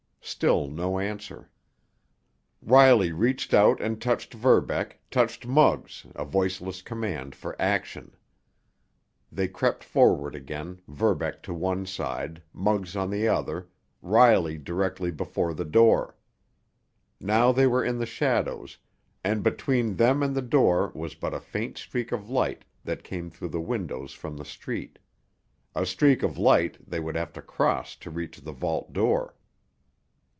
Still no answer. Riley reached out and touched Verbeck, touched Muggs, a voiceless command for action. They crept forward again, Verbeck to one side, Muggs on the other, Riley directly before the door. Now they were in the shadows, and between them and the door was but a faint streak of light that came through the windows from the street—a streak of light they would have to cross to reach the vault door.